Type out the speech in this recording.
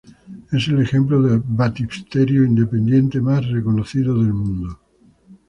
Es el ejemplo de baptisterio independiente más reconocido del mundo.